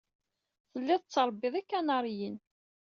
Telliḍ tettṛebbiḍ ikanaṛiyen.